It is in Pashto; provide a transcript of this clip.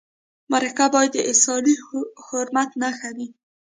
مرکه باید د انساني حرمت نښه وي.